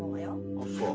あっそう。